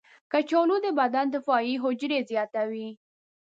کچالو د بدن دفاعي حجرې زیاتوي.